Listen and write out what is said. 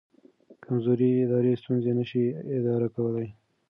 کمزوري ادارې ستونزې نه شي اداره کولی.